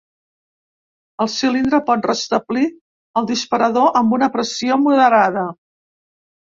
El cilindre pot restablir el disparador amb una pressió moderada.